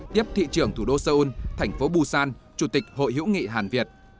tiếp thị trưởng thủ đô seoul thành phố busan chủ tịch hội hữu nghị hàn việt